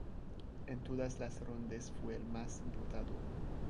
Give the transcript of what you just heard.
En todas las rondas fue el más votado.